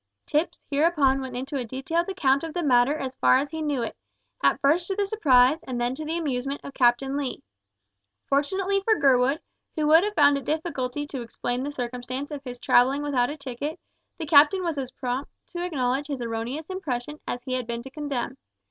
Tipps hereupon went into a detailed account of the matter as far as he knew it, at first to the surprise and then to the amusement of Captain Lee. Fortunately for Gurwood, who would have found it difficult to explain the circumstance of his travelling without a ticket, the captain was as prompt to acknowledge his erroneous impression as he had been to condemn.